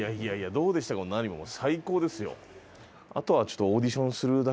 どうでしたかも何も最高ですよ。